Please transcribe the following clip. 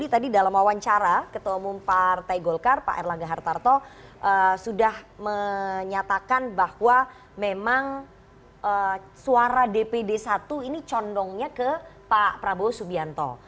tadi dalam wawancara ketua umum partai golkar pak erlangga hartarto sudah menyatakan bahwa memang suara dpd satu ini condongnya ke pak prabowo subianto